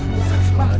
buana ustaz sepuluh